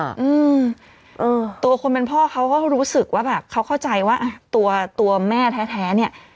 อืมเออตัวคนเป็นพ่อเขาก็รู้สึกว่าแบบเขาเข้าใจว่าอ่ะตัวตัวแม่แท้แท้เนี้ย